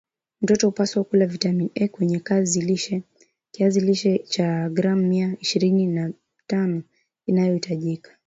mtoto hupaswa kula vitamin A kwenye kiazi lishe cha gram mia ishirini na tano inayohijika